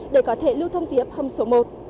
để có thể lưu thông tiếp hầm số một